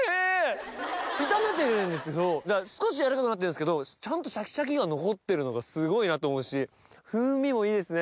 炒めてるんですけど少し軟らかくなってるんですけどちゃんとシャキシャキが残ってるのがすごいなと思うし風味もいいですね。